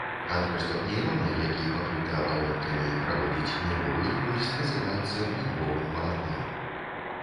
Адростак нейрона, які пакрыты абалонкамі і праводзіць нервовы імпульс, называецца нервовым валакном.